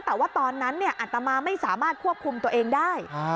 แต่ว่าตอนนั้นอัตมาไม่สามารถควบคุมตัวเองได้